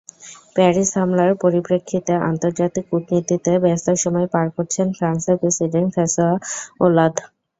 Paris হামলার পরিপ্রেক্ষিতে আন্তর্জাতিক কূটনীতিতে ব্যস্ত সময় পার করছেন ফ্রান্সের প্রেসিডেন্ট ফ্রাঁসোয়া ওলাঁদ।